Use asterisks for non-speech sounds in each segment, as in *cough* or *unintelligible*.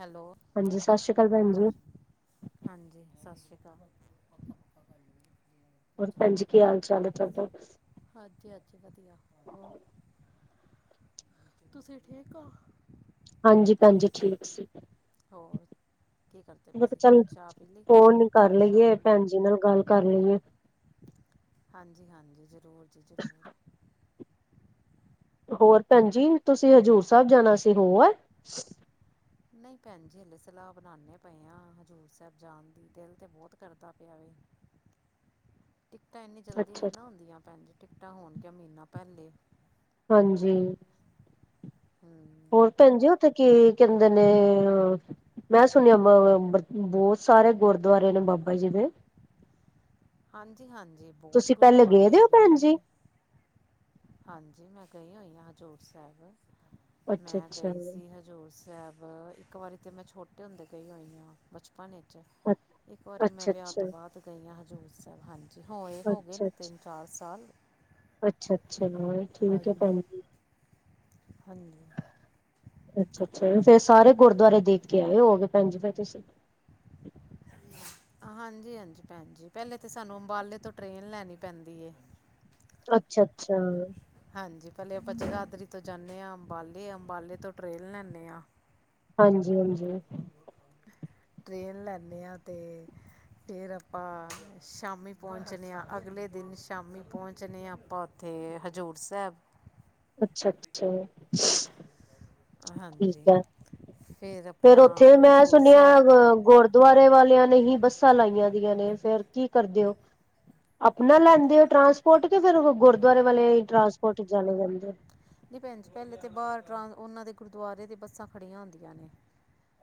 Hello ਹਾਂਜੀ ਸਤਿ ਸ਼੍ਰੀ ਅਕਾਲ ਭੈਣ ਜੀ ਹਾਂਜੀ ਸਤਿ ਸ਼੍ਰੀ ਅਕਾਲ ਹੋਰ ਭੈਣ ਜੀ ਕੀ ਹਾਲ ਚਾਲ ਹੈ ਤੁਹਾਡਾ ਹਾਂਜੀ ਹਾਂਜੀ ਵਧੀਆ ਹੋਰ ਤੁਸੀਂ ਠੀਕ ਹੋ ਹਾਂਜੀ ਭੈਣ ਜੀ ਠੀਕ ਹੈ। ਹੋਰ ਕੀ ਕਰਦੇ ਪਏ ਮੈਂ ਕਿਹਾ ਸੀ ਚੱਲ ਚਾਹ ਪੀ ਲਈ ਫੋਨ ਕਰ ਲਈਏ ਸ਼ਾਮ ਦੀ ਭੈਣ ਜੀ ਨਾਲ ਗੱਲ ਕਰ ਲਈਏ ਹਾਂਜੀ ਹਾਂਜੀ ਜ਼ਰੂਰ ਜੀ ਜ਼ਰੂਰ ਹੋਰ ਭੈਣਜੀ ਤੁਸੀਂ ਹਜ਼ੂਰ ਸਾਹਿਬ ਜਾਣਾ ਸੀ ਹੋ ਆਏ ਨਹੀਂ ਭੈਣ ਜੀ ਹਲੇ ਸਲਾਹ ਬਣਾਉਂਦੇ ਪਏ ਆ ਹਜ਼ੂਰ ਸਾਹਿਬ ਜਾਣ ਦੀ ਦਿਲ ਤੇ ਬਹੁਤ ਕਰਦਾ ਪਿਆਵੇ। ਟਿਕਟਾਂ ਇੰਨੀ ਜਲਦੀ ਅੱਛਾ ਨਹੀਂ ਨਾ ਹੁੰਦੀਆਂ ਭੈਣ ਜੀ ਟਿਕਟਾਂ ਹੋਣਗੀਆਂ ਮਹੀਨਾ ਪਹਿਲੇ। ਹਾਂਜੀ। ਹਮ। ਹੋਰ ਭੈਣ ਜੀ ਉੱਥੇ ਕੀ ਕਹਿੰਦੇ ਨੇ ਮੈਂ ਸੁਣਿਆ ਬਹੁਤ ਸਾਰੇ ਗੁਰਦੁਆਰੇ ਨੇ ਬਾਬਾ ਜੀ ਦੇ। ਹਾਂਜੀ -ਹਾਂਜੀ। ਬਹੁਤ ਤੁਸੀਂ ਪਹਿਲੇ ਗੁਰਦੁਆਰੇ ਗਏਦੇ ਹੋ ਹੈਗੇ ਭੈਣ ਨੇ ਜੀ। ਹਾਂਜੀ ਮੈਂ ਗਈ ਹੋਈ ਹਾਂ ਹਜ਼ੂਰ ਸਾਹਿਬ ਅੱਛਾ ਮੈਂ ਅੱਛਾ ਗਈ ਸੀ ਹ। ਹਜ਼ੂਰ ਸਾਹਿਬ ਇੱਕ ਵਾਰੀ ਤਾਂ ਮੈਂ ਛੋਟੇ ਹੁੰਦੇ ਗਈ ਹੋਈ ਹਾਂ ਬਚਪਨ ਵਿੱਚ। ਅ- ਇੱਕ ਵਾਰੀ ਮੈਂ ਅੱਛਾ ਅੱਛਾ ਵਿਆਹ ਤੋਂ ਅੱਛਾ ਬਾਅਦ ਗਈ ਹਾਂ ਹਜ਼ੂਰ ਸਾਹਿਬ ਹਾਂਜੀ ਹੋ ਇਹ ਹੋ ਗਏ ਅੱਛਾ ਨੇ ਤਿੰਨ। ਚਾਰ ਸਾਲ। ਅੱਛਾ ਅੱਛਾ ਮ ਠੀਕ ਹੈ ਹਾਂਜੀ ਭੈਣ ਜੀ। ਹਾਂਜੀ ਅੱਛਾ- ਅੱਛਾ ਫੇਰ ਸਾਰੇ ਗੁਰਦੁਆਰੇ ਦੇਖ ਕੇ ਆਏ ਹੋ ਗਏ ਭੈਣ ਜੀ ਫਿਰ ਤੁਸੀਂ ਹਾਂਜੀ- ਹਾਂਜੀ ਭੈਣ ਜੀ ਪਹਿਲੇ ਤਾਂ ਸਾਨੂੰ ਅੰਬਾਲੇ ਤੋਂ ਟ੍ਰੇਨ ਲੈਣੀ ਪੈਂਦੀ ਏ। ਅੱਛਾ- ਅੱਛਾ। ਹਾਂਜੀ ਪਹਿਲੇ ਆਪਾਂ ਜਗਾਧਰੀ ਤੋਂ ਜਾਂਦੇ ਹਾਂ ਅੰਬਾਲੇ ਅੰਬਾਲੇ ਤੋਂ ਟ੍ਰੇਨ ਲੈਂਦੇ ਹਾਂ। ਹਾਂਜੀ -ਹਾਂਜੀ। ਟ੍ਰੇਨ ਲੈਂਦੇ ਹਾਂ ਤੇ ਫਿਰ ਆਪਾਂ ਸ਼ਾਮੀ ਪਹੁੰਚਦੇ ਹਾਂ ਅਗਲੇ ਦਿਨ ਸ਼ਾਮੀ ਪਹੁੰਚਦੇ ਹਾਂ ਆਪਾਂ ਉ ਤੇ ਹਜ਼ੂਰ ਸਾਹਿਬ ਅੱਛਾ- ਅੱਛਾ। ਹਾਂਜੀ ਫਿਰ ਫਿਰ ਆਪਣਾ ਉੱਥੇ ਮੈਂ ਹਜ਼ੂਰ ਸੁਣਿਆ ਸਾਹਿਬ ਅ ਗੋ ਦੁਆਰੇ ਵਾਲਿਆਂ ਨੇ ਹੀ ਬੱਸਾਂ ਲਾਈਆਂ ਦੀਆਂ ਨੇ ਫੇਰ ਕੀ ਕਰਦੇ ਹੋ। ਆਪਣਾ ਲੈਂਦੇ ਹੋ ਟਰਾਂਸਪੋਰਟ ਤੇ ਫਿਰ ਗੁਰਦੁਆਰੇ ਵਾਲੇ ਟਰਾਂਸਪੋਰਟ ਜਾਣੇ ਜਾਂਦੇ ਆ। ਜੀ ਭੈਣ ਜੀ ਪਹਿਲੇ ਤੇ ਬਾਹਰ ਟਰ ਉਹਨਾਂ ਦੇ ਗੁਰਦੁਆਰੇ ਤੇ ਬੱਸਾਂ ਖੜੀਆਂ ਹੁੰਦੀਆਂ ਨੇ।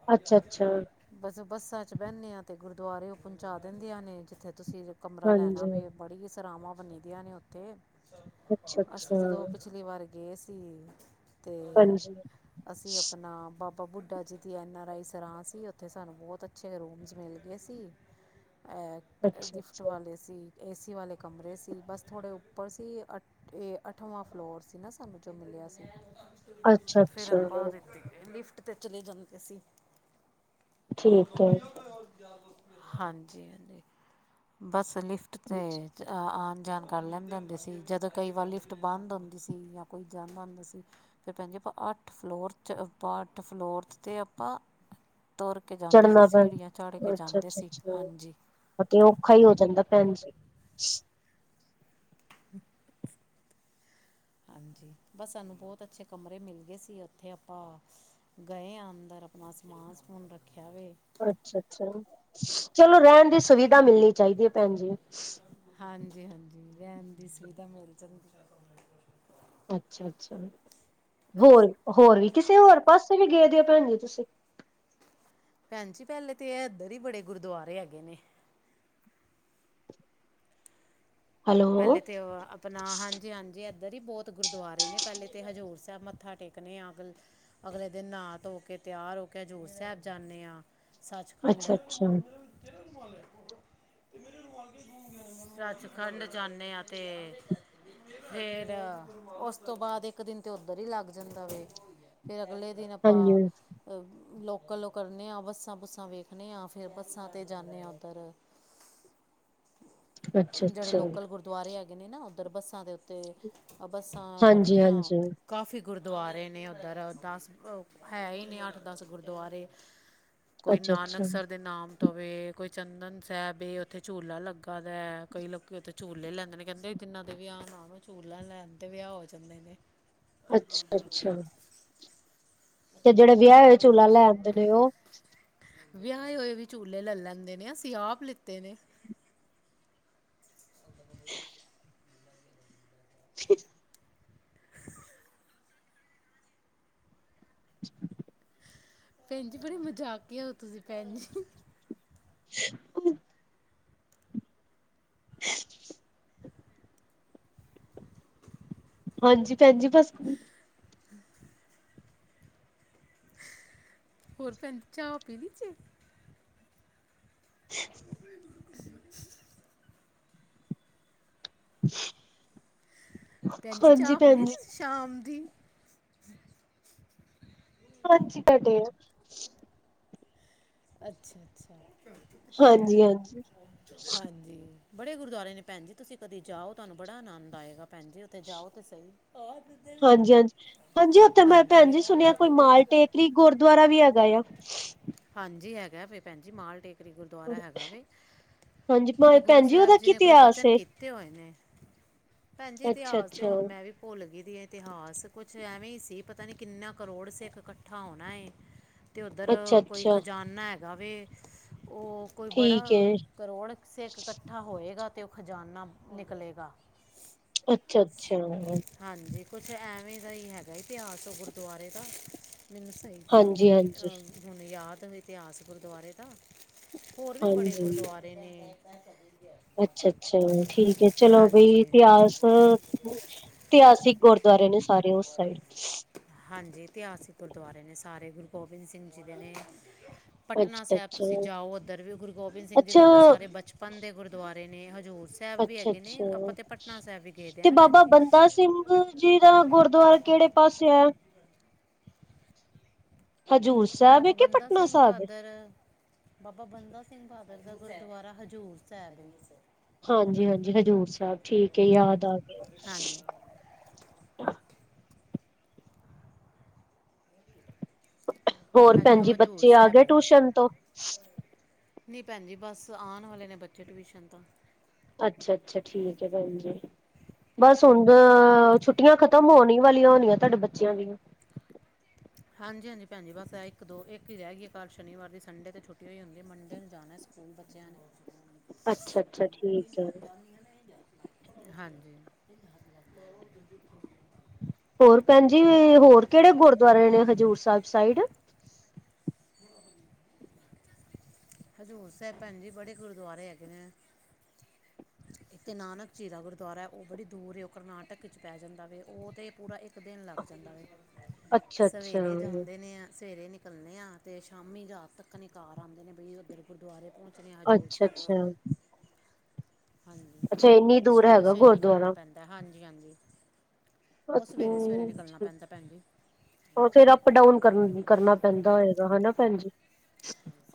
ਆ ਗਿਆ, ਆ ਗਿਆ ਅੱਛਾ-ਅੱਛਾ, ਭਾਜੀ। ਬਸ ਬੱਸਾਂ 'ਚ ਬਹਿੰਦੇ ਹਾਂ ਅਤੇ ਗੁਰਦੁਆਰੇ ਉਹ ਪਹੁੰਚਾ ਦਿੰਦੀਆਂ ਨੇ ਜਿੱਥੇ ਤੁਸੀਂ ਕਮਰਾ ਲੈਣਾ ਹਾਂਜੀ, ਪਵੇ। ਬੜੀ ਸਰਾਵਾਂ ਬਨੀ ਦੀਆਂ ਨੇ ਉੱਥੇ ਅਸੀਂ ਅੱਛਾ-ਅੱਛਾ, ਜਦੋਂ ਪਿਛਲੀ ਵਾਰ ਗਏ ਸੀ ਤੇ ਹਾਂਜੀ, ਅਸੀਂ ਆਪਣਾ ਬਾਬਾ ਆਪਾ ਬੁੱਢਾ ਜੀ ਦੀ ਐੱਨ ਆਰ ਆਈ ਸਰਾਂ ਸੀ ਉੱਥੇ ਸਾਨੂੰ ਬਹੁਤ ਅੱਛੇ ਰੂਮਜ਼ ਮਿਲ ਗਏ ਸੀ। ਅ ਗਿਫਟ ਅੱਛਾ-ਅੱਛਾ। ਵਾਲੇ। ਸੀ, ਏ ਸੀ ਵਾਲੇ ਕਮਰੇ ਸੀ ਬਸ ਥੋੜ੍ਹੇ ਉੱਪਰ ਸੀ ਅ ਇਹ ਅੱਠਵਾ ਫਲੋਰ ਸੀ ਨਾ ਸਾਨੂੰ ਜੋ ਮਿਲਿਆ ਸੀ ਫਿਰ ਅੱਛਾ-ਅੱਛਾ, ਆਪਾਂ ਲਿਫਟ ਤੇ ਚਲੇ ਜਾਂਦੇ ਸੀ ਠੀਕ ਦੋ। ਐ ਹਾਂਜੀ -ਹਾਂਜੀ ਬਸ ਲਿਫਟ 'ਤੇ ਆਉਣ ਜਾਣ ਕਰ ਲੈਂਦੇ ਹੁੰਦੇ ਸੀ ਜਦੋਂ ਕਈ ਵਾਰ ਲਿਫਟ ਬੰਦ ਹੁੰਦੀ ਤੁਸੀਂ ਜਾਂ ਕੋਈ ਜਾਂਦਾ ਆਂਦਾ ਸੀ। ਫਿਰ ਭੈਣ ਜੀ ਆਪਾਂ ਅੱਠ ਫਲੋਰ ਚ, ਅੱਠ ਫਲੋਰ ਚ ਤੇ ਆਪਾਂ ਤੁਰ ਕੇ ਜਾਂਦੇ ਸੀ ਚੜਨਾ ਪੈ ਸੀੜੀਆਂ ਚਾੜ ਕੇ ਜਾਂਦੇ ਸੀ ਅੱਛਾ-ਅੱਛਾ-ਅੱਛਾ ਹਾਂਜੀ। ਔਖਾ ਹੀ ਹੋ ਜਾਂਦਾ ਭੈਣਜੀ। ਹ। ਹਾਂਜੀ ਬਸ ਸਾਨੂੰ ਬਹੁਤ ਅੱਛੇ ਕਮਰੇ ਮਿਲ ਗਏ ਸੀ ਉੱਥੇ ਆਪਾਂ ਗਏ ਹਾਂ ਅੰਦਰ ਆਪਣਾ ਸਮਾਨ ਸਮੂਨ ਰੱਖਿਆ ਵੇ। ਅੱਛਾ -ਅੱਛਾ ਚਲੋ ਰਹਿਣ ਦੀ ਸੁਵਿਧਾ ਮਿਲਣੀ ਚਾਹੀਦੀ ਹੈ ਭੈਣ ਜੀ। ਹਾਂਜੀ- ਹਾਂਜੀ ਰਹਿਣ ਦੀ ਸੁਵਿਧਾ ਮਿਲ ਜਾਂਦੀ। ਅੱਛਾ -ਅੱਛਾ ਹੋਰ, ਹੋਰ ਵੀ ਕਿਸੇ ਹੋਰ ਪਾਸੇ ਵੀ ਗਏਦੇ ਹੋ ਭੈਣ ਜੀ ਤੁਸੀਂ? ਭੈਣ ਜੀ, ਪਹਿਲੇ ਤੇ ਇਹ ਇੱਧਰ ਹੀ ਬੜੇ ਗੁਰਦੁਆਰੇ ਹੈਗੇ ਨੇ। ਹੈਲੋ, ਪਹਿਲੇ ਤੇ ਅ ਆਪਣਾ ਹਾਂਜੀ- ਹਾਂਜੀ। ਏਧਰ ਈ ਬੋਤ ਗੁਰਦੁਆਰੇ ਨੇ, ਪਹਿਲੇ ਤੇ ਹਜ਼ੂਰ ਸਾਹਿਬ ਮੱਥਾ ਟੇਕਨੇ ਆ, ਅਗਲੇ ਅਗਲੇ ਦਿਨ ਨਾਹ ਧੋ ਕੇ, ਤਿਆਰ ਹੋ ਕੇ ਹਜੂਰ ਸਾਹਿਬ ਜਾਨੇ ਆ। ਸੱਚਖੰਡ। ਅੱਛਾ-ਅੱਛਾ, ਸੱਚਖੰਡ। ਜਾਨੇ ਆ ਤੇ ਫੇਰ ਉਸ ਤੋਂ ਬਾਅਦ ਇੱਕ ਦਿਨ ਤੇ ਓਧਰ ਹੀ ਲੱਗ ਜਾਂਦਾ ਵੇ। ਫੇਰ ਅਗਲੇ ਦਿਨ ਹਾਂਜੀ ਆਪਾਂ ਲੋਕਲ ਓਹ ਕਰਨੇ ਆ, ਬੱਸਾਂ ਬੁੱਸਾਂ ਵੇਖਨੇ ਆਂ, ਫਿਰ ਬੱਸਾਂ ਤੇ ਜਾਂਨੇ ਆ ਓਦਰ। ਜਿਹੜੇ ਅੱਛਾ-ਅੱਛਾ, ਲੋਕਲ ਗੁਰਦੁਆਰੇ ਹੈਗੇ ਨੇ ਨਾ ਓਧਰ, ਬੱਸਾਂ ਦੇ ਉੱਤੇ ਆ ਬੱਸਾਂ ਕਰਨੇ ਆ। ਹਾਂਜੀ-ਹਾਂਜੀ, ਕਾਫੀ ਗੁਰਦੁਆਰੇ ਨੇ ਓਧਰ, ਦਸ ਹੈ ਹੀ ਨੇ ਅੱਠ ਦਸ ਗੁਰਦੁਆਰੇ। ਕੋਈ ਅੱਛਾ-ਅੱਛਾ, ਨਾਨਕਸਰ ਦੇ ਨਾਮ ਤੋ ਵੇ, ਕੋਈ ਚੰਦਨ ਸਾਹਿਬ ਏ, ਉੱਥੇ ਝੂਲਾ ਲੱਗਾ ਦਾ ਏ, ਕਈ ਲੋਕੀ ਓਥੇ ਝੂਲੇ ਲੈਂਦੇ ਨੇ, ਕਹਿੰਦੇ ਜਿੰਨਾਂ ਦੇ ਵਿਆਹ ਨਾ ਹੋਣ ਝੂਲਾ ਲੈਨ ਤੇ ਵਿਆਹ ਹੋ ਜਾਂਦੇ ਨੇ। ਅੜੇ ਕੰਮ ਕਰ ਅੱਛਾ-ਅੱਛਾ, ਦਿੰਦਾ। ਤੇ ਜਿਹੜੇ ਵਿਆਹੇ ਹੋਏ ਝੂਲਾ ਲੈ ਆਂਦੇ ਨੇ ਉਹ ਵਿਆਹ ਹੋਏ ਵੀ ਝੂਲੇ ਲੈ ਲੈਂਦੇ ਨੇ, ਅਸੀਂ ਆਪ ਲਿੱਤੇ ਨੇ। *unintelligible* ਠੀ *unintelligible* *unintelligible* ਭੈਣ ਜੀ, ਬੜੇ ਮਜਾਕੀਆ ਹੋ ਤੁਸੀਂ ਭੈਣ ਜੀ। *inaudible* *inaudible* ਹਾਂਜੀ, ਭੈਣ ਜੀ ਬਸ *inaudible* ਹੋਰ ਭੈਣ ਜੀ, ਚਾਹ ਪੀਲੀ ਜੀ। *inaudible* ਭੈਣ ਜੀ ਹਾਂਜੀ, ਚਾਹ ਪੀ ਭੈਣ ਲਈ ਜੀ। ਤੁਸੀਂ ਸ਼ਾਮ ਦੀ ਹਾਂਜੀ, ਤਾਡੇ *inaudible* ਅੱਛਾ- ਅੱਛਾ, ਹਾਂਜੀ-ਹਾਂਜੀ, ਹਾਂਜੀ। ਬੜੇ ਗੁਰਦੁਆਰੇ ਨੇ ਭੈਣ ਜੀ ਤੁਸੀਂ ਕਦੀ ਜਾਓ, ਤੁਹਾਨੂੰ ਬੜਾ ਆਨੰਦ ਆਏਗਾ ਭੈਣ ਜੀ। ਤੇ ਜਾਓ ਤੇ ਸਹੀ, ਹਾਂਜੀ ਹਾਂਜੀ, ਹਾਂਜੀ ਉੱਥੇ ਮੈਂ ਭੈਣ ਹਾਂਜੀ ਜੀ ਸੁਣਿਆ ਕੋਈ ਮਾਲ ਉੱਥੇ। ਟੇਕਰੀ ਗੁਰਦੁਆਰਾ ਵੀ ਹੈਗਾ ਆ। ਹਾਂਜੀ ਹੈਗਾ ਵੇ, ਭੈਣ ਜੀ ਮਾਲ ਟੇਕ ਗੁਰਦੁਆਰਾ ਹੈਗਾ ਵੇ ਹਾਂਜੀ ਓਥੇ ਗੁਰੂ ਭੈਣ ਉਹਦਾ ਸਾਹਿਬ ਜੀ ਕੀ ਨੇ ਕੋਈ ਇਤਿਹਾਸ ਬਚਨ ਏ? ਕੀਤ ਕਿਤੇ ਹੋਏ ਨੇ ਭੈਨ ਜੀ ਇਤਿਹਾਸ ਤੇ ਅੱਛਾ-ਅੱਛਾ, ਹੁਨ ਮੈਂ ਵੀ ਭੁਲ ਗਈ ਦੀ ਇਤਿਹਾਸ ਕੁਛ ਐਵੇਂ ਹੀ ਸੀ ਪਤਾ ਨੀ ਕਿੰਨਾ ਕਰੋੜ ਸਿੱਖ ਕੱਠਾ ਹੋਣਾ ਏ। ਤੇ ਓਦਰ ਅੱਛਾ-ਅੱਛਾ, ਦਾਨਾ ਹੈਗਾ ਵੇ, ਓਹ ਕੋਈ ਬੜਾ ਠੀਕ ਏ, ਕਰੋੜ ਕ ਸਿੱਖ ਕੱ ਇਕੱਠਾ ਹੋਏਗਾ, ਤੇ ਓਹ ਖਜਾਨਾ ਨਿਕਲੇਗਾ। ਅੱਛਾ -ਅੱਛਾ। ਹਾਂਜੀ, ਕੁਛ ਐਵੇਂ ਦਾ ਹੀ ਹੈਗਾ ਇਤਿਹਾਸ ਓਹ ਗੁਰਦੁਆਰੇ ਦਾ, ਮੈਨੂੰ ਸਹੀ ਤਰ੍ਹਾਂ ਹਾਂਜੀ ਨੀ ਹਾਂਜੀ ਅ ਹੁਣ ਯਾਦ ਵੀ ਤੇ ਇਤਿਹਾਸ ਗੁਰਦੁਆਰੇ ਦਾ, ਹੋਰ ਵੀ ਬੜੇ ਹਾਂਜੀ ਗੁਰਦੁਆਰੇ ਦੇ ਨੇ। ਅੱਛਾ -ਅੱਛਾ ਠੀਕ ਏ, ਚਲੋ ਬਈ ਹਾਂਜੀ ਇਤਿਹਾਸ ਇਤਿਹਾਸਿਕ ਗੁਰਦੁਆਰੇ ਨੇ, ਸਾਰੇ ਉਸ ਸਾਈਡ। ਹਾਂਜੀ ਇਤਿਹਾਸਿਕ ਗੁਰਦੁਆਰੇ ਨੇ, ਸਾਰੇ ਗੁਰੂ ਗੋਬਿੰਦ ਸਿੰਘ ਜੀ ਦੇ ਨੇ। ਪਟਨਾ ਅੱਛਾ ਸਾਹਿਬ ਅੱਛਾ ਤੁਸੀਂ ਜਾਓ ਓਧਰ ਵੀ ਗੁਰੂ ਗੋਬਿੰਦ ਸਿੰਘ ਜੀ ਦੇ ਅੱਛਾ ਓਧਰ ਸਾਰੇ ਬਚਪਨ ਦੇ ਗੁਰਦੁਆਰੇ ਨੇ ਹਜ਼ੂਰ ਸਾਹਿਬ ਵੀ ਅੱਛਾ ਹੈਗੇ ਨੇ ਆਪਾਂ ਅੱਛਾ ਤਾਂ ਪਟਨਾ ਸਾਹਿਬ ਵੀ ਗਏ ਦੇ ਨਾ ਭੈਨ ਜੀ। ਓਹ ਜੇੜਾ ਗੁਰਦੁਆਰਾ ਕਿਹੜੇ ਪਾਸੇ ਏ? ਹਜ਼ੂਰ ਸਾਹਿਬ ਹੈ ਬਾਬਾ ਕਿ ਬੰਦਾ ਪਟਨਾ ਸਿੰਘ ਸਾਹਿਬ ਹੈ ਬਹਾਦਰ। ਬਾਬਾ ਬੰਦਾ ਸਿੰਘ ਬਹਾਦਰ ਦਾ ਗੁਰਦੁਆਰਾ ਹਜ਼ੂਰ ਸਾਹਿਬ ਹਾਂਜੀ ਹਾਂਜੀ ਹਜ਼ੂਰ ਸਾਹਿਬ ਠੀਕ ਏ। ਯਾਦ ਆ ਗਿਆ। ਹਾਂਜੀ *inaudible* *inaudible* ਹੋਰ ਹਾਂਜੀ ਭੈਨ ਉਹ ਜੀ ਹਜ਼ੂਰ ਬੱਚੇ ਆ ਸਾਹਿਬ ਗਏ ਟਊਸ਼ਨ ਤੋ। ਨਹੀ ਭੈਨ ਜੀ ਬਸ ਆਣ ਵਾਲੇ ਨੇ ਬੱਚੇ ਟਿਊਸ਼ਨ ਤੋ ਅਛਾ- ਅਛਾ ਠੀਕ ਹੈ। ਭੈਨ ਜੀ ਬਸ ਹੁਣ ਅ ਛੁੱਟੀਆ ਖ ਖਤਮ ਹੋਣ ਹੀ ਵਾਲੀਆਂ ਹੋਣੀਆਂ ਤੁਹਾਡੇ ਬੱਚਿਆਂ ਦੀਆ ਹਾਂਜੀ- ਹਾਂਜੀ ਭੈਨ ਜੀ ਬਸ ਇਹ ਇਕ ਦੋ ਇਕ ਹੀ ਰਹਿ ਗਈ ਕਲ ਸ਼ਨੀਵਾਰ ਦੀ ਸੰਡੇ ਤੇ ਛੁਟੀ ਓ ਈ ਹੁੰਦੀ ਹੈ। ਮੰਡੇ ਨੂੰ ਜਾਣਾ ਸਕੂਲ। ਹੁਨ ਬੱਚਿਆਂ ਨੇ ਅੱਛਾ ਅੱਛਾ ਠੀਕ ਹੈ ਹਾਂਜੀ- ਹੋਰ ਭੈਨ ਜੀ ਹੋਰ ਕਿਹੜੇ ਗੁਰਦੁਆਰੇ ਨੇ ਹਜ਼ੂਰ ਸਾਹਿਬ ਸਾਈਡ? *inaudible* *inaudible* ਹਜ਼ੂਰ ਸਾਹਿਬ ਭੈਨ ਜੀ ਬੜੇ ਗੁਰੂਦੁਆਰੇ ਹੈਗੇ ਨੇ। ਇਕ ਨਾਨਕ ਝੀਰਾ ਗੁਰਦੁਆਰਾ ਏ ਉਹ ਬੜੀ ਦੂਰ ਏ। ਉਹ ਕਰਨਾਟਕ ਵਿਚ ਪੈ ਜਾਦਾ ਵੇ ਉਹ ਤਾਂ ਪੂਰਾ ਇਕ ਇਕ ਦਿਨ ਲਗ ਜਾਦਾ ਵੇ ਅੱਛਾ ਅੱਛਾ ਸਵੇਰੇ ਜਾਦੇ ਨੇ ਅ ਸਵੇਰੇ ਨ ਚੱਲਦੇ ਹਾਂ ਅਤੇ ਸ਼ਾਮੀ ਰਾਤ ਤਕ ਈ ਘਰ ਆਂਦੇ ਨੇ ਬਈ ਉਧਰ ਗੁਰਦੁਆਰੇ ਪਹੁਚ ਨੀ ਹਜੂਰ ਅੱਛਾ ਸਾਹਿਬ ਅੱਛਾ ਹਾਂਜੀ ਅੱਛਾ ਇੰਨੀ ਦੂਰ ਸਵੇਰੇ ਹੈਗਾ ਸਵੇਰੇ ਨਿਕਲਣਾ ਗੁਰਦੁਆਰਾ ਪੈਦਾ ਹਾਂਜੀ- ਹਾਂਜੀ ਉਹ ਅ ਸਵੇਰੇ ਸਵੇਰੇ ਨਿਕਲਣਾ ਪੈਂਦਾ ਭੈਣ ਜੀ ਓਹ ਫਿਰ ਅਪ ਡਾਊਨ ਕਰ ਕਰਨਾ ਬੰਦਾ ਹੋਏਗਾ ਹਨਾ ਭੈਨ ਜੀ।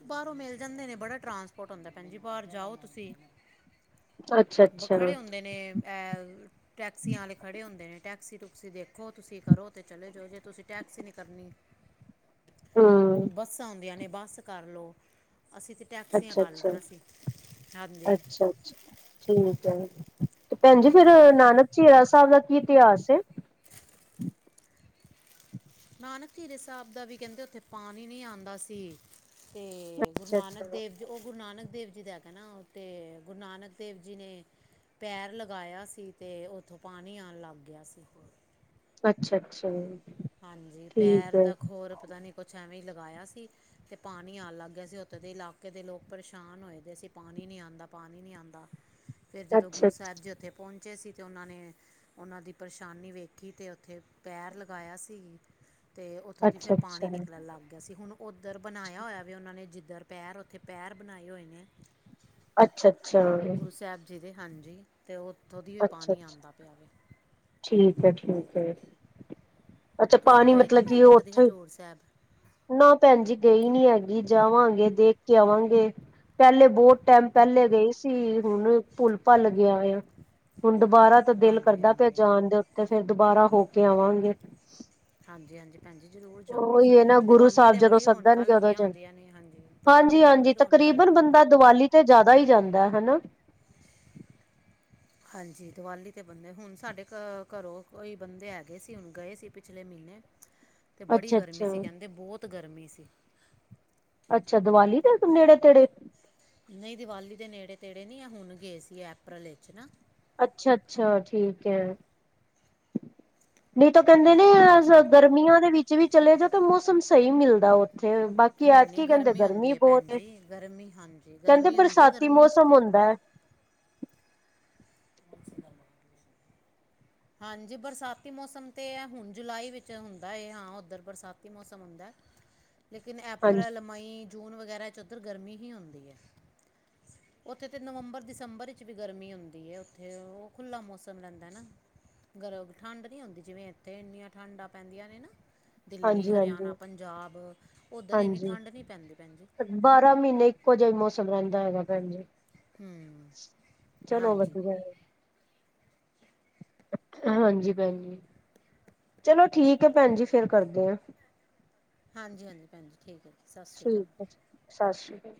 ਬਾਹਰੋ ਮਿਲ ਜਾਦੇ ਨੇ ਬੜਾ ਟਰਾਂਸਪੋਰਟ ਹੁੰਦਾ ਭੈਨ ਜੀ ਬਾਹਰ ਜਾਓ ਤੁਸੀ ਅੱਛਾ ਬ ਅੱਛਾ ਖੜੇ ਹੁੰਦੇ ਨੇ ਇਹ ਟੈਕਸੀਆ ਵਾਲੇ ਖੜੇ ਹੁੰਦੇ ਨੇ ਟੈਕਸੀ ਟੁਕਸੀ ਦੇਖੋ ਤੁਸੀ ਕਰੋ ਤੇ ਚਲੇ ਜਾਓ ਜੇ ਤੁਸੀ ਟੈਕਸੀ ਨਹੀ ਕਰਨੀ ਹਮ ਬਸਾਂ ਹੁੰਦੀਆਂ ਨੇ ਬੱਸ ਕਰ ਲਉ ਅਸੀ ਤੇ ਟੈਕਸੀਆ ਅੱਛਾ ਕਰ ਅੱਛਾ ਲਈਆ ਸੀ ਹਾਂਜੀ ਅੱਛਾ- ਅੱਛਾ ਠੀਕ ਹੈ। ਤੇ ਭੈਨ ਜੀ ਫਿਰ ਹਾਂਜੀ ਨਾਨਕ ਝੀਰਾ ਸਾਹਿਬ ਦਾ ਕੀ ਇਤਿਹਾਸ ਹੈ। ਨਾਨਕ ਝੀਰਾ ਸਾਹਿਬ ਦਾ ਵੀ ਕਹਿਦੇ ਉਥੇ ਪਾਨੀ ਨੀ ਆਂਦਾ ਸੀ। ਤੇ ਗੁਰੂ ਅੱਛਾ ਨਾਨਕ ਅੱਛਾ ਦੇਵ ਉਹ ਗੁਰੂ ਨਾਨਕ ਦੇਵ ਜੀ ਦਾ ਹੈਗਾ ਨਾ ਉਤੇ ਗੁਰੂ ਨਾਨਕ ਦੇਵ ਜੀ ਨੇ ਪੈਰ ਲਗਾਇਆ ਸੀ ਤੇ ਉਥੋਂ ਪਾਨੀ ਆਣ ਲਗ ਗਿਆ ਸੀ ਫੇਰ। ਅੱਛਾ- ਅੱਛਾ- ਹਾਂਜੀ ਠੀਕ ਪੈਰ ਹੈ ਦਾ ਖੋਰ ਪਤਾ ਨੀ ਕੁਛ ਏਵੇਂ ਲਗਾਇਆ ਸੀ। ਅਤੇ ਪਾਣੀ ਆਉਣ ਲਗ ਗਿਆ ਸੀ ਉਥੇ ਦੇ ਇਲਾਕੇ ਦੇ ਲੋਕ ਪਰੇਸ਼ਾਨ ਹੋਏ ਦੇ ਸੀ ਪਾਣੀ ਨਹੀ ਆਉਦਾ, ਪਾਣੀ ਨਹੀ ਆਉਦਾ। ਫੇਰ ਜਦੋ ਗੁਰੂ ਅੱਛਾ ਸਾਹਿਬ ਜੀ, ਉਥੇ ਪਹੁੰਚੇ ਅਸੀ ਤੇ ਉਹਨਾ ਨੇ ਉਹਨਾ ਦੀ ਪਰੇਸ਼ਾਨੀ ਵੇਖੀ ਤੇ ਉਥੇ ਪੈਰ ਲ ਪਾਇਆ ਸੀ ਤੇ ਉਥੋ ਦੀ ਫਿਰ ਅੱਛਾ ਪਾਣੀ ਅੱਛਾ ਨਿਕਲਣ ਲਗ ਗਿਆ ਸੀ ਹੁਣ ਉਧਰ ਬਨਾਇਆ ਹੋਇਆ ਵੇ ਉਹਨਾ ਨੇ ਜਿਧਰ ਪੈਰ ਉਥੇ ਪੈਰ ਬਨਾਏ ਹੋਏ ਨੇ ਅੱਛਾ- ਅੱਛਾ- ਜਿਹਦੇ ਹਾਂਜੀ ਤੇ ਉਥੋ ਦੀ ਵੀ ਅੱਛਾ ਪਾਨੀ ਆਉਦਾ ਪਿਆ ਵੇ ਠੀਕ ਹੈ। ਠੀਕ ਹੈ। - ਅੱਛਾ ਤੁਸੀਂ ਪਾਨੀ ਗਏ ਨਹੀਂ ਮਤਲਬ ਕਿ ਭੈਣ ਜੀ ਉਹ ਕਦੇ ਉਥੇ ਹਜ਼ੂਰ ਸਾਹਿਬ ਨਾ ਭੈਨ ਜੀ ਗਈ ਨੀ ਹੈਗੀ ਜਾਵਾਗੇ ਦੇਖ ਕੇ ਆਵਾਗੇ। ਪਹਿਲੇ ਬਹੁਤ ਟਾਈਮ ਪਹਿਲੇ ਗਏ ਸੀ ਹੁਨ ਭੁੱਲ ਭੱਲ ਗਿਆ ਏ ਹੁਣ ਦੁਬਾਰਾ ਤੇ ਦਿਲ ਹਾਂਜੀ ਕਰਦਾ ਪਿਆ ਹਾਂਜੀ ਹਾਂਜੀ ਜਾਣ ਦੇ ਉਤੇ ਫਿਰ ਦੁਬਾਰਾ ਹੋ ਕੇ ਆਵਾਗੇ। ਹਾਂਜੀ- ਹਾਂਜੀ ਭੈਨ ਜੀ ਜਰੂਰ ਜਾਓ ਤੁਸੀ ਉਹੀ ਹੈ ਨਾ ਗੁਰੂ ਦੀਵਾਲੀ ਸਾਹਿਬ ਤੇ ਜਦੋਂ ਬੜੀ ਰੌਣਕਾ ਸੱਦਣਗੇ ਉਦੋਂ ਲੱਗੀਆ ਚ ਹੁੰਦੀਆ ਨੇ ਹਾਂਜੀ ਦੀਵਾਲੀ ਹਾਂਜੀ ਕੋਲ ਹਾਂਜੀ ਬੜੀ ਰੌਣਕਾਂ ਤਕਰੀਬਨ ਲੱਗੀਆਂ ਨੇ ਬੰਦਾ ਦੀਵਾਲੀ ਤੇ ਜ਼ਿਆਦਾ ਹੀ ਜਾਂਦਾ ਹੈਨਾ ਹਾਂਜੀ, ਦੀਵਾਲੀ ਤੇ ਬੰਦੇ ਹੁਣ ਸਾਡੇ ਘਰੋਂ ਕੋਈ ਬੰਦੇ ਹੈਗੇ ਸੀ ਹੁਣ ਗਏ ਸੀ ਪਿਛਲੇ ਮਹੀਨੇ। ਤੇ ਬੜੀ ਅੱਛਾ ਗਰਮੀ ਅੱਛਾ ਸੀ ਕਹਿੰਦੇ ਬਹੁਤ ਗਰਮੀ ਸੀ। ਅੱਛਾ, ਦੀਵਾਲੀ ਦੇ ਨੇੜੇ ਤੇੜੇ ਨਹੀਂ ਦੀਵਾਲੀ ਦੇ ਨੇੜੇ ਤੇੜੇ ਨਹੀਂ, ਆ ਹੁਣ ਗਏ ਸੀ ਅਪ੍ਰੈਲ ਵਿੱਚ ਨਾ ਅੱਛਾ-ਅੱਛਾ ਠੀਕ ਹੈ। ਨਹੀਂ ਤਾਂ ਕਹਿੰਦੇ ਨੇ ਹਾਂਜੀ ਗਰਮੀਆਂ ਦੇ ਵਿੱਚ ਵੀ ਚਲੇ ਜਾਓ ਤੇ ਮੌਸਮ ਸਹੀ ਮਿਲਦਾ ਉੱਥੇ, ਬਾਕੀ ਕੀ ਨਹੀਂ ਨਹੀਂ ਐਤਕੀ ਕਹਿੰਦੇ ਗਰਮੀ ਹੁੰਦੀ ਭੈਣ ਬਹੁਤ ਹੈ। ਜੀ ਗਰਮੀ ਹਾਂਜੀ ਕਹਿੰਦੇ ਗਰਮੀ ਹੁੰਦੀ ਹੈ ਬਰਸਾਤੀ ਗਰਮੀ 'ਚ ਮੌਸਮ ਤੇ ਹੁੰਦਾ ਹੈ। *inaudible* ਹਾਂਜੀ ਬਰਸਾਤੀ ਮੌਸਮ ਤੇ ਹੁਣ ਜੁਲਾਈ ਵਿੱਚ ਹੁੰਦਾ ਹੈ, ਹਾਂ ਉੱਧਰ ਬਰਸਾਤੀ ਮੌਸਮ ਹੁੰਦਾ। ਲੇਕਿਨ, ਹਾਂਜੀ ਅਪ੍ਰੈਲ ਮਈ ਜੂਨ ਵਗੈਰਾ 'ਚ ਉੱਧਰ ਗਰਮੀ ਹੀ ਹੁੰਦੀਂ ਹੈ। ਉੱਥੇ ਤਾਂ ਨਵੰਬਰ ਦਸੰਬਰ ਵਿੱਚ ਵੀ ਗਰਮੀ ਹੁੰਦੀ ਹੈ, ਉੱਥੇ ਉਹ ਖੁੱਲ੍ਹਾ ਮੌਸਮ ਰਹਿੰਦਾ ਨਾ। ਗਰ, ਠੰਡ ਨਹੀਂ ਹੁੰਦੀ, ਜਿਵੇਂ ਇੱਥੇ ਇੰਨੀਆਂ ਠੰਡਾਂ ਪੈਂਦੀਆਂ ਨੇ ਨਾ। ਦਿੱਲੀ ਹਾਂਜੀ ਹਾਂਜੀ ਹਰਿਆਣਾ ਪੰਜਾਬ ਉੱਧਰ ਇੰਨੀ ਹਾਂਜੀ ਠੰਡ ਨਹੀਂ ਪੈਂਦੀ ਭੈਣ ਜੀ। ਬਾਰਾਂ ਮਹੀਨੇ ਇੱਕੋ ਜਿਹਾ ਹੀ ਮੌਸਮ ਸਮਰਦਾ ਹੈਗਾ ਭੈਣ ਜੀ ਹੂੰ ਚਲੋ ਹਾਂਜੀ ਵਧੀਆ ਹਾਂਜੀ ਭੈਣ ਜ ਚਲੋ ਠੀਕ ਹੈ। ਭੈਣ ਜੀ ਫੇਰ ਕਰਦੇ ਹਾ। ਹਾਂਜੀ ਹਾਂਜੀ ਭੈਣਜੀ ਠੀਕ ਹੈ। ਜੀ- ਸਤਿ ਸ਼੍ਰੀ ਠੀਕ ਅਕਾਲ ਹੈ ਜੀ ਸਤਿ ਸ਼੍ਰੀ ਅਕਾਲ